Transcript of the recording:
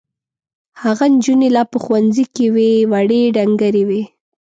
هغه نجونې لا په ښوونځي کې وې وړې ډنګرې وې.